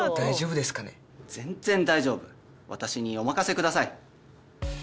私にお任せください。